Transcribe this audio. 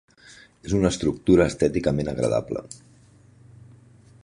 És una estructura estèticament agradable.